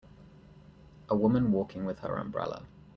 A woman walking with her umbrella.